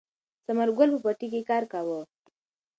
ثمر ګل په پټي کې کار کاوه.